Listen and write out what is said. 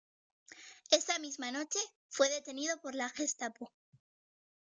Esa misma noche, fue detenido por la Gestapo.